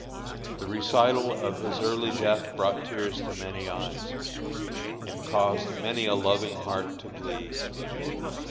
The recital of his early death brought tears to many eyes, and caused many a loving heart to bleed.